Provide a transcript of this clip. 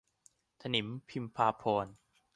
ถนิมพิมพาภรณ์